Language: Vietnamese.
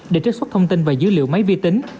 để trích xuất thông tin và dữ liệu máy vi tính